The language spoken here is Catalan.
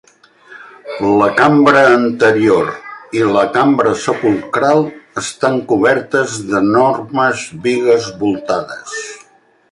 La cambra anterior i la cambra sepulcral estan cobertes d'enormes bigues voltades.